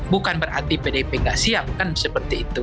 bukan berarti pdip nggak siap kan seperti itu